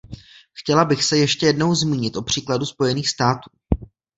Chtěla bych se ještě jednou zmínit o příkladu Spojených států.